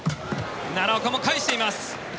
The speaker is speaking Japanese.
奈良岡も返しています。